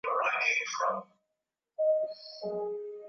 Yafanye maisha yangu